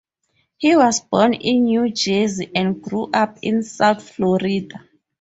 He was born in New Jersey and grew up in South Florida.